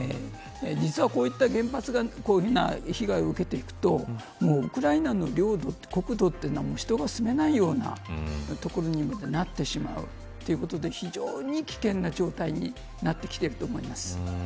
実は、こういった原発がこういう被害を受けていくとウクライナの国土というのは人が住めないようなことにまでなってしまうということで非常に危険な状態になってきていると思います。